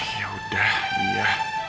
ya udah ia